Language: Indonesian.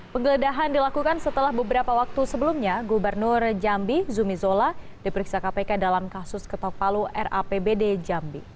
penggeledahan dilakukan setelah beberapa waktu sebelumnya gubernur jambi zumi zola diperiksa kpk dalam kasus ketok palu rapbd jambi